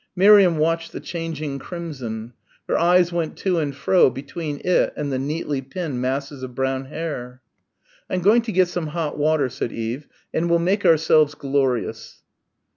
Miriam watched the changing crimson. Her eyes went to and fro between it and the neatly pinned masses of brown hair. "I'm going to get some hot water," said Eve, "and we'll make ourselves glorious."